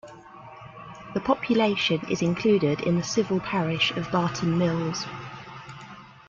The population is included in the civil parish of Barton Mills.